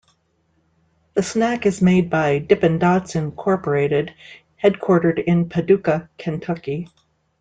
The snack is made by Dippin' Dots, Incorporated headquartered in Paducah, Kentucky.